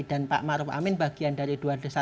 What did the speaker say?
dan pak ma'ruf amin bagian dari dua ratus dua belas